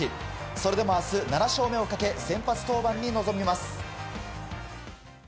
それでも明日７勝目をかけ先発登板に臨みます。